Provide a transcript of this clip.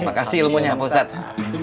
makasih lo punya ustadz